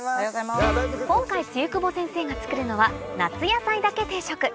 今回露久保先生が作るのは「夏野菜だけ定食」